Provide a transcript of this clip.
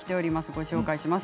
ご紹介します。